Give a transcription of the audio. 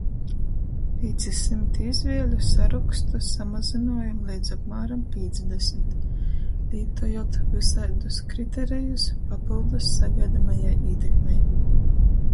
Pīci symti izvieļu sarokstu samazynuojom leidz apmāram pīcdesmit, lītojot vysaidus kriterejus papyldus sagaidamajai ītekmei.